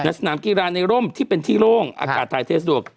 สนามกีฬาในร่มที่เป็นที่โล่งอากาศถ่ายเทสะดวก